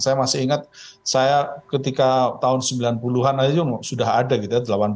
saya masih ingat saya ketika tahun sembilan puluh an aja sudah ada gitu ya